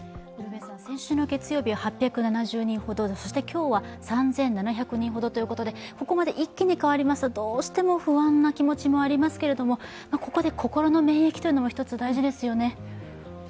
先週の月曜日は８７０人ほどでそして今日は３７００人ほどということで、ここまで一気に変わりますと、どうしても不安な気持ちもありますけれども、ここで心の免疫というのが１つ、大事ですよね？